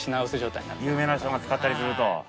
有名な人が使ったりすると。